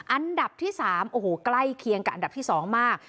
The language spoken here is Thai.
อันดับที่๓โอ้โหใกล้เคียงกับอันดับที่๒มาก